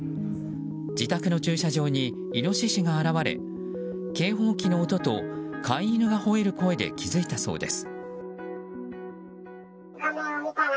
自宅の駐車場にイノシシが現れ警報器の音と飼い犬がほえる声で気づいたそうです。